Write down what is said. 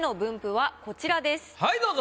はいどうぞ。